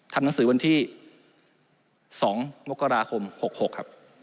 ทำหนังสือวันที่๒มกราคม๖๖ครับ